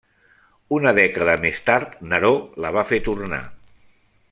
Una dècada més tard Neró la va fer tornar.